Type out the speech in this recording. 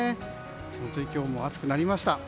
本当に今日も暑くなりました。